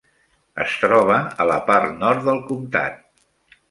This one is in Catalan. Es troba a la part nord del comtat.